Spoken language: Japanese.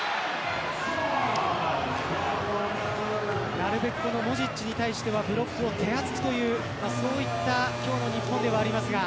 なるべくモジッチに関してはブロックを手厚くとそういった今日の日本ではありますが。